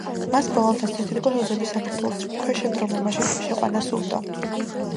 მას ბრალად დასდეს, თითქოს ოსების საქართველოს ქვეშევრდომობაში შეყვანა სურდა.